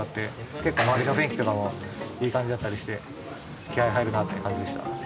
結構周りの雰囲気とかもいい感じだったりして気合い入るなあって感じでした。